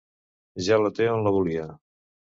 Ja la té on la volia.